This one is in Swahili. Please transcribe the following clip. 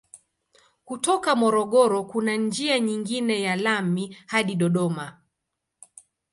Kutoka Morogoro kuna njia nyingine ya lami hadi Dodoma.